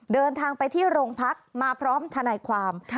เดินทางไปที่โรงพักมาพร้อมทนายความ